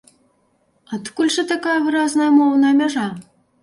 Адкуль жа такая выразная моўная мяжа?